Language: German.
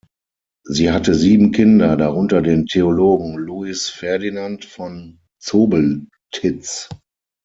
Sie hatte sieben Kinder, darunter den Theologen Louis-Ferdinand von Zobeltitz.